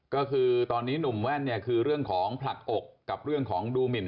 ก็คือตอนนี้หนุ่มแว่นเนี่ยคือเรื่องของผลักอกกับเรื่องของดูหมิน